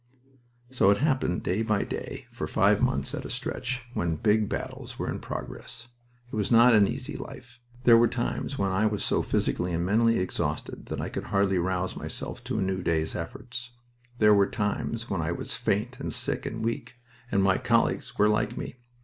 So it happened day by day, for five months at a stretch, when big battles were in progress. It was not an easy life. There were times when I was so physically and mentally exhausted that I could hardly rouse myself to a new day's effort. There were times when I was faint and sick and weak; and my colleagues were like me.